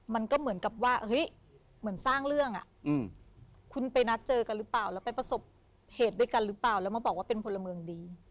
มันก็เหมือนกับว่าเฮ้ยเหมือนสร้างเรื่องคุณไปนัดเจอกันหรือเปล่าแล้วไปประสบเหตุด้วยกันหรือเปล่าแล้วมาบอกว่าเป็นพลเมืองดี